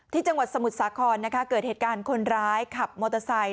จังหวัดสมุทรสาครนะคะเกิดเหตุการณ์คนร้ายขับมอเตอร์ไซค